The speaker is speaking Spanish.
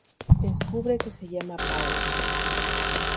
Descubre que se llama Paul.